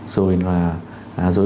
rồi gây ra